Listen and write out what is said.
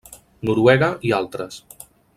Noruega i altres.